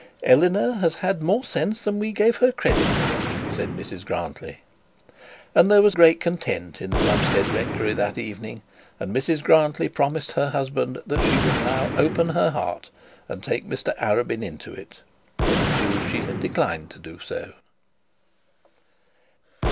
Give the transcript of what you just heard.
'Eleanor has had more sense then we gave her credit for,' said Mrs Grantly. And there was great content in Plumstead rectory that evening; and Mrs Grantly promised her husband that she would now open her heart, and take Mr Arabin into it. Hitherto she had declined to do so.